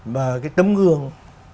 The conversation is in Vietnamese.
và cái tấm gương